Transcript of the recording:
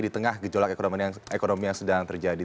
di tengah gejolak ekonomi yang sedang terjadi